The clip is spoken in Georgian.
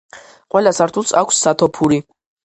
ყველა სართულს აქვს სათოფური.